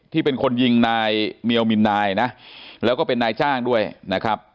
ที่เป็นคนยิงนายเมียวมินนายนะแล้วก็เป็นนายจ้างด้วยนะครับ